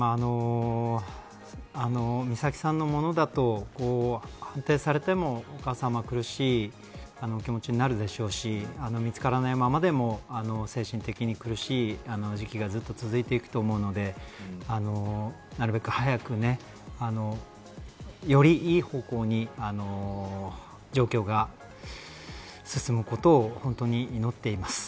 美咲さんのものだと判定されてもお母さまは苦しい気持ちになるでしょうし見つからないままでも精神的に苦しい時期がずっと続いていくと思うのでなるべく早くよりいい方向に状況が進むことを本当に祈っています。